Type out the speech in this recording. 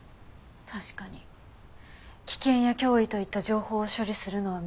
確かに危険や脅威といった情報を処理するのは右の脳。